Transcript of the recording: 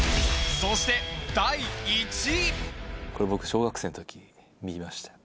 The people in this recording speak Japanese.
そして、第１位。